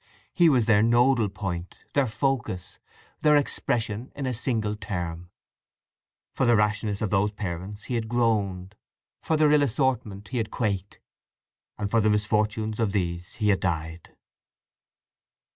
He was their nodal point, their focus, their expression in a single term. For the rashness of those parents he had groaned, for their ill assortment he had quaked, and for the misfortunes of these he had died.